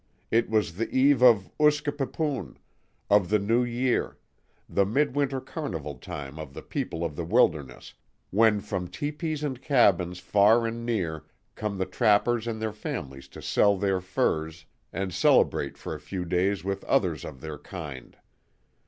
It was the eve of OOSKE PIPOON of the New Year the mid winter carnival time of the people of the wilderness, when from teepees and cabins far and near come the trappers and their families to sell their furs and celebrate for a few days with others of their kind.